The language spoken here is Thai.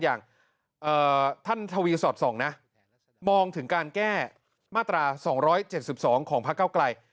อย่างท่านทวีสอดส่องนะมองถึงการแก้มาตรา๒๗๒ของพระเก้าไกล